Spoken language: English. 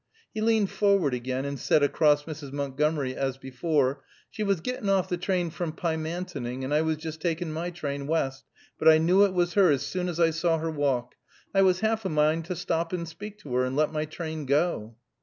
He leaned forward again, and said across Mrs. Montgomery, as before: "She was gettin' off the train from Pymantoning, and I was just takin' my train West, but I knew it was her as soon as I saw her walk. I was half a mind to stop and speak to her, and let my train go."